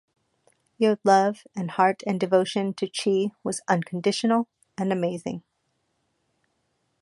Your love and heart and devotion to Chi was unconditional and amazing.